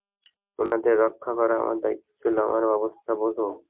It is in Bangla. ওনাদের রক্ষা করা আমার দায়িত্ব ছিল, আমার অবস্থা বোঝো?